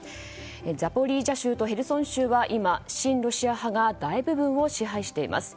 ザポリージャ州とヘルソン州は今、親ロシア派が大部分を支配しています。